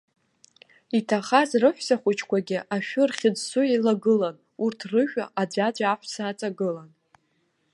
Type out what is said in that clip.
Иҭахаз рыҳәсахәыҷқәагьы ашәы рхьыӡсо еилагылан, урҭ рыжәҩа аӡәаӡәа аҳәса аҵагылан.